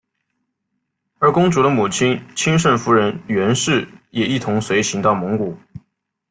而公主的母亲钦圣夫人袁氏也一同随行到蒙古。